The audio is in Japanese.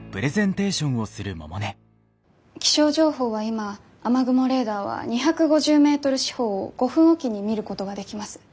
気象情報は今雨雲レーダーは２５０メートル四方を５分置きに見ることができます。